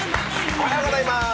おはようございます。